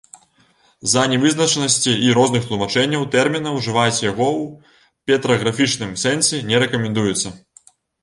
З-за нявызначанасці і розных тлумачэнняў тэрміна ўжываць яго ў петраграфічным сэнсе не рэкамендуецца.